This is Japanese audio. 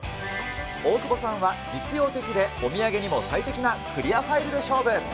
大久保さんは実用的でお土産にも最適なクリアファイルで勝負。